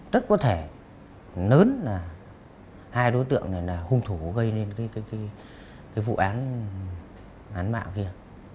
rất có thể lớn là hai đối tượng này hung thủ gây nên vụ án mạng kia